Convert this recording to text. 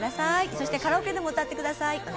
そしてカラオケでも歌ってください。